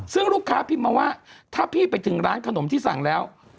ซึ่งลูกค้าพิมพ์มาว่าถ้าพี่ไปถึงร้านขนมที่สั่งแล้ว